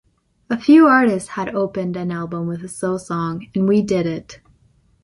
A few artists had opened an album with a slow song and we did it.